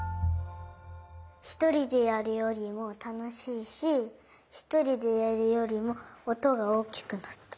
ひとりでやるよりもたのしいしひとりでやるよりもおとがおおきくなった。